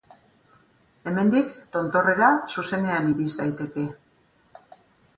Hemendik, tontorrera, zuzenean iris daiteke.